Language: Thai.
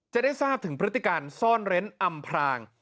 จะได้ทราบถึงพฤติการซ่อนเร้นอำพราง